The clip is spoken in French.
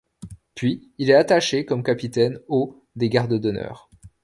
Puis il est attaché comme capitaine au des gardes d'honneur.